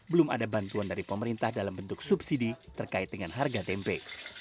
belum ada bantuan dari pemerintah dalam bentuk subsidi terkait dengan harga tempe